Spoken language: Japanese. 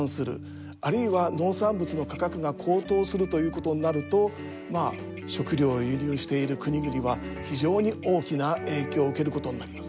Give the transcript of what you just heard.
あるいは農産物の価格が高騰するということになるとまあ食料を輸入している国々は非常に大きな影響を受けることになります。